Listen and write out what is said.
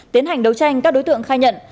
tiến hành đấu tranh các đối tượng khai nhận